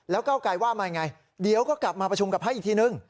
แล้วเก้าไกลว่ามายังไงเดี๋ยวก็กลับมาประชุมกับพักอีกทีนึง